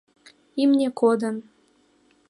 Имне кодын!..